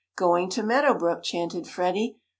"Going to Meadow Brook!" chanted Freddie.